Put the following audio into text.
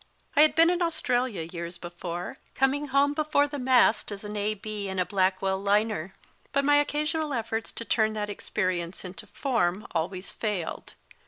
I had been in Australia years before, coming home before the mast as an A.B. in a Blackwall liner, but my occasional efforts to turn that experience into form always failed.